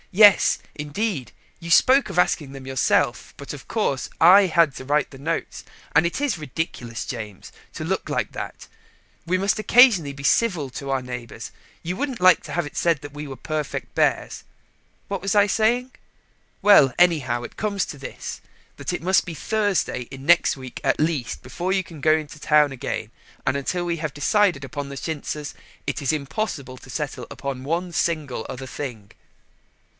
Yes, indeed, you spoke of asking them yourself, but, of course, I had to write the notes, and it is ridiculous, James, to look like that. We must occasionally be civil to our neighbours: you wouldn't like to have it said we were perfect bears. What was I saying? Well, anyhow it comes to this, that it must be Thursday in next week at least, before you can go to town again, and until we have decided upon the chintzes it is impossible to settle upon one single other thing."